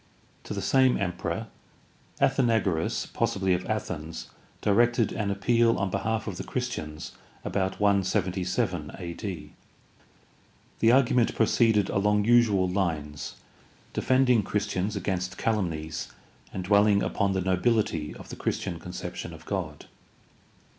To the same emperor Athenagoras, possibly of Athens, directed an appeal on behalf of the Christians about 177 a.d. The argument proceeded along usual lines, defending Christians against calumnies and dwelling upon the nobihty of the Christian con ception of God.